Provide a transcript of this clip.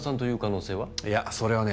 いやそれはねえ。